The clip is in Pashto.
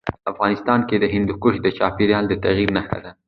افغانستان کې هندوکش د چاپېریال د تغیر نښه ده.